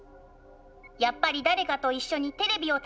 やっぱり誰かと一緒にテレビを楽しみたい。